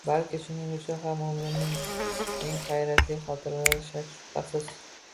Balki, shuning uchun ham umrimning eng hayratli xotiralari, shak-shubhasiz